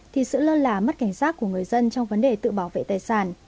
thì sự lơ là mất cảnh giác của người dân trong vấn đề tự bảo vệ tài sản